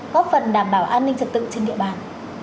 góp phần đảm bảo an ninh trật tự trên địa bàn